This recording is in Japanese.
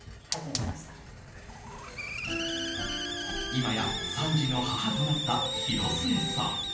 今や３児の母となった広末さん。